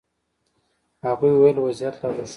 هغوی ویل وضعیت لا روښانه نه دی.